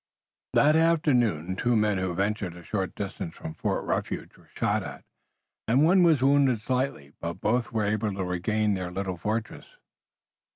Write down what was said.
That afternoon two men who ventured a short distance from Fort Refuge were shot at, and one was wounded slightly, but both were able to regain the little fortress.